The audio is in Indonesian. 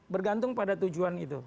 bergantung pada tujuan itu